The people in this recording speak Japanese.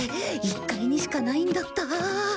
１階にしかないんだった。